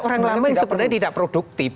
orang lama yang sebenarnya tidak produktif